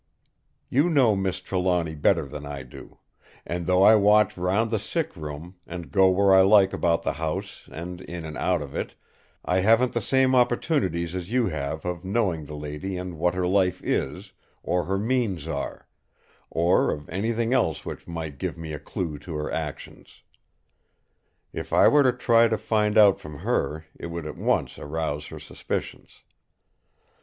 You know Miss Trelawny better than I do; and though I watch round the sick room, and go where I like about the house and in and out of it, I haven't the same opportunities as you have of knowing the lady and what her life is, or her means are; or of anything else which might give me a clue to her actions. If I were to try to find out from her, it would at once arouse her suspicions.